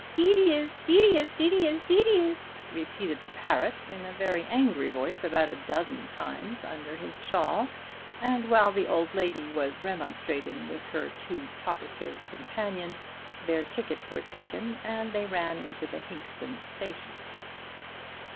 "Deedy is, deedy is, deedy is, deedy is," repeated the parrot in a very angry voice about a dozen times under his shawl, and while the old lady was remonstrating with her too talkative companion their tickets were taken and they ran into the Hinxton Station.